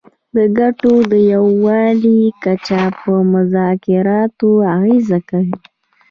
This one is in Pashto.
د ګټو د یووالي کچه په مذاکراتو اغیزه کوي